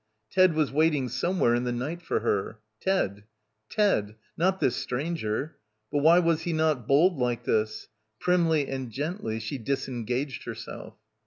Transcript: Ted was waiting somewhere in the night for her. Ted. Ted. Not this stranger. But why was he not bold like this? Primly and gently she disengaged herself.